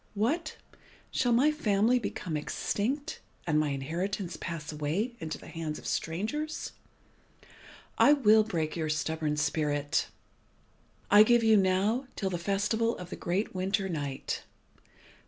What! shall my family become extinct, and my inheritance pass away into the hands of strangers? I will break your stubborn spirit. I give you now till the festival of the great winter night.